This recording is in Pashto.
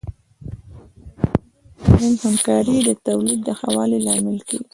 د کروندګرو ترمنځ همکاري د تولید د ښه والي لامل کیږي.